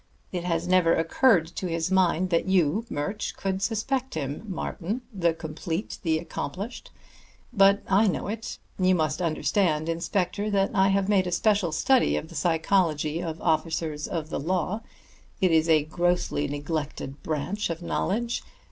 It has never occurred to his mind that you, Murch, could suspect him, Martin, the complete, the accomplished. But I know it. You must understand, inspector, that I have made a special study of the psychology of officers of the law. It is a grossly neglected branch of knowledge.